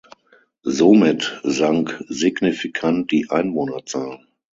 Somit sank signifikant die Einwohnerzahl.